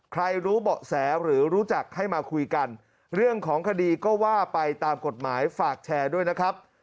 รู้เบาะแสหรือรู้จักให้มาคุยกันเรื่องของคดีก็ว่าไปตามกฎหมายฝากแชร์ด้วยนะครับ